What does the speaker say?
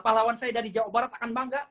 pahlawan saya dari jawa barat akan bangga